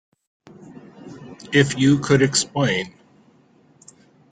If you could explain.